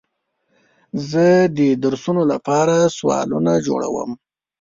زه د درسونو لپاره سوالونه جوړوم.